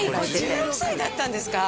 これ１６歳だったんですか！？